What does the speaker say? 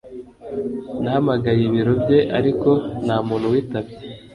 nahamagaye ibiro bye, ariko nta muntu witabye